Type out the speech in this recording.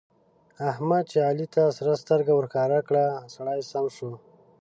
احمد چې علي ته سره سترګه ورښکاره کړه؛ سړی سم شو.